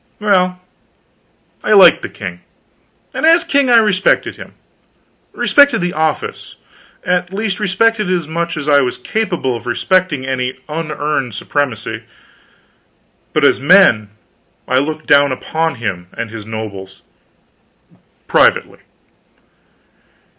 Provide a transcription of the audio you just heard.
Well, I liked the king, and as king I respected him respected the office; at least respected it as much as I was capable of respecting any unearned supremacy; but as MEN I looked down upon him and his nobles privately.